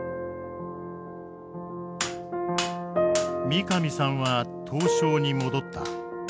三上さんは刀匠に戻った。